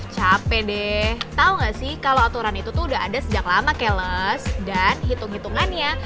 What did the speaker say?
capek deh tahu nggak sih kalau aturan itu udah ada sejak lama keles dan hitung hitungannya